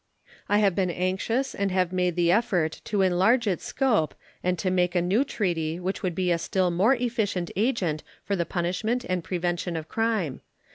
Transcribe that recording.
I have been anxious and have made the effort to enlarge its scope and to make a new treaty which would be a still more efficient agent for the punishment and prevention of crime.